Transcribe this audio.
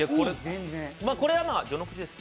これは序ノ口です。